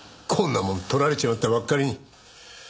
こんなもん撮られちまったばっかりに。